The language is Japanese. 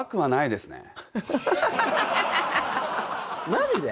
マジで？